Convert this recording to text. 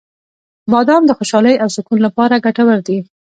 • بادام د خوشحالۍ او سکون لپاره ګټور دي.